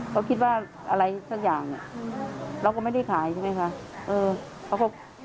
เขาคิดว่าอะไรสักอย่างเราก็ไม่ได้ขายใช่ไหมคะ